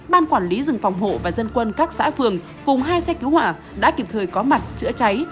ban quản lý rừng phòng hộ và dân quân các xã phường cùng hai xe cứu hỏa đã kịp thời có mặt chữa cháy